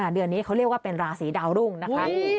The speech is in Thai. เดือนนี้เขาเรียกว่าเป็นราศีดาวรุ่งนะคะ